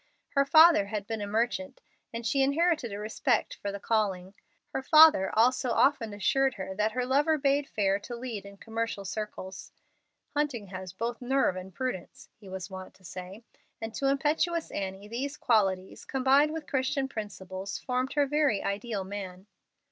Her father had been a merchant, and she inherited a respect for the calling. Her father also often assured her that her lover bade fair to lead in commercial circles. "Hunting has both nerve and prudence," he was wont to say; and to impetuous Annie these qualities, combined with Christian principles, formed her very ideal man.